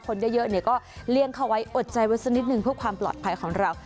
คนเยอะเนี่ยก็เลี้ยงเขาไว้อดใจไว้สักนิดนึงเพื่อความปลอดภัยของเรา